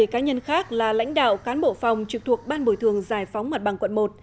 bảy cá nhân khác là lãnh đạo cán bộ phòng trực thuộc ban bồi thường giải phóng mặt bằng quận một